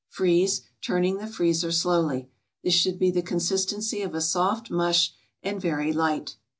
Freeze, turning the freezer slowly. This should be the consistency of a soft mush and very light.